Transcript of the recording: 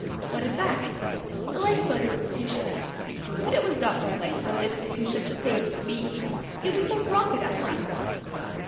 "What is that?" "The Lifeboat Institution." "But it was not the Lifeboat Institution that saved me. It was the Rocket apparatus."